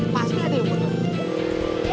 pasti ada yang mau nyambut